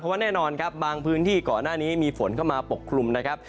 ว่าแน่นอนครับบางพื้นที่ก่อนหน้านี้มีฝนเข้ามาปกคลุมนะครับ